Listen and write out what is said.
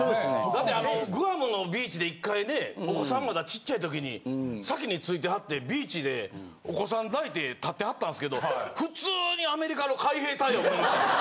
だってあのグアムのビーチで１回ねえお子さんまだちっちゃい時に先に着いてはってビーチでお子さん抱いて立ってはったんすけど普通に。